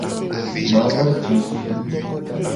Mamajesi.